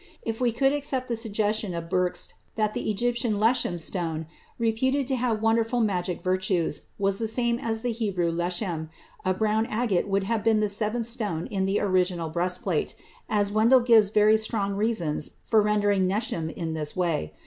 If we could accept the suggestion of Brugsch that the Egyptian neshem stone, reputed to have wonderful magic virtues, was the same as the Hebrew leshem, a brown agate would have been the seventh stone in the original breastplate, as Wendel gives very strong reasons for rendering neshem in this way.